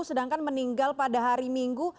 sedangkan meninggal pada hari minggu